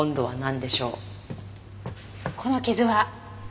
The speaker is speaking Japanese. この傷は？